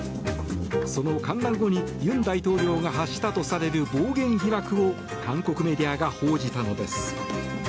その歓談後に尹大統領が発したとされる暴言疑惑を韓国メディアが報じたのです。